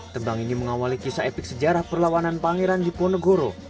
tembang ini mengawali kisah epik sejarah perlawanan pangeran jiponegoro